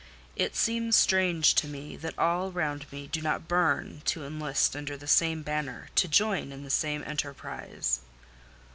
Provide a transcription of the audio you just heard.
It seems strange to me that all round me do not burn to enlist under the same banner,—to join in the same enterprise."